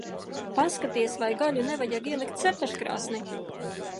Paskaties, vai gaļu nevajag ielikt cepeškrāsnī.